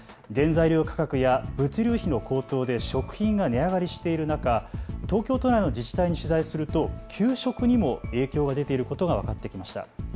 原材料価格や物流費の高騰で食品が値上がりしている中、東京都内の自治体に取材すると給食にも影響が出ていることが分かってきました。